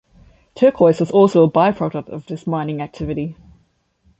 Turquoise was also a by-product of this mining activity.